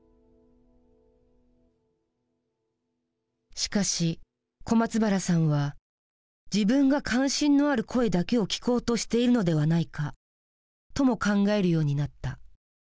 しかし小松原さんは自分が関心のある声だけを聞こうとしているのではないかとも考えるようになった。